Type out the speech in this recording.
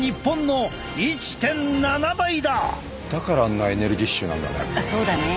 だからあんなエネルギッシュなんだね。